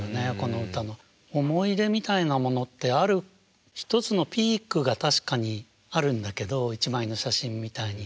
思い出みたいなものってある一つのピークが確かにあるんだけど１枚の写真みたいに。